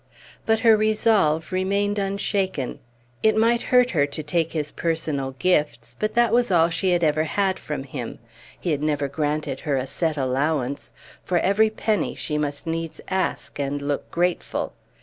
But her resolve remained unshaken. It might hurt her to take his personal gifts, but that was all she had ever had from him; he had never granted her a set allowance; for every penny she must needs ask and look grateful.